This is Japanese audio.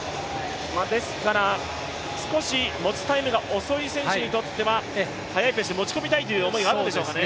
少し持ちタイムが遅い選手にとっては速いペースに持ち込みたいという思いがあるんでしょうかね。